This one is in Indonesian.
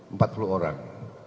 empat puluh orang